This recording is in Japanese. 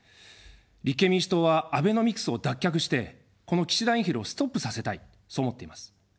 立憲民主党はアベノミクスを脱却して、この岸田インフレをストップさせたい、そう思っています。